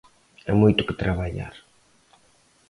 E moito que traballar.